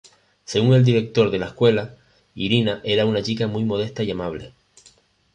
Según el director de la escuela, Irina era "una chica muy modesta y amable.